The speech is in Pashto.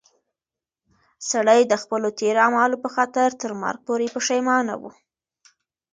سړی د خپلو تېرو اعمالو په خاطر تر مرګ پورې پښېمانه و.